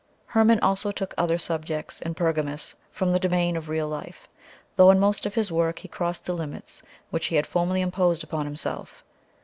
] Hermon also took other subjects in Pergamus from the domain of real life, though, in most of his work he crossed the limits which he had formerly imposed upon himself.